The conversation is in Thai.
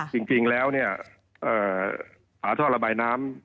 จริงแล้วแต้าท่อระบายน้ำ